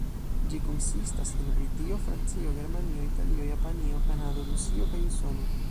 Ĝi konsistas el Britio, Francio, Germanio, Italio, Japanio, Kanado, Rusio kaj Usono.